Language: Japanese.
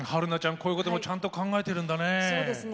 こういうこともちゃんと考えてるんだね。